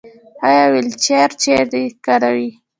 ایا ویلچیر کاروئ؟